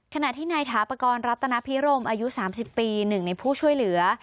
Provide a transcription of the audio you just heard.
ขณะที่นายถาปกรณ์รัตนพิรมอายุ๓๐ปี๑ในผู้ช่วยเหลือ